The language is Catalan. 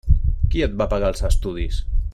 Qui et va pagar els estudis?